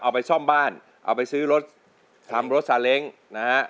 เอาไปซ่อมบ้านเอาไปซื้อรถทำรถซาเล้งนะฮะ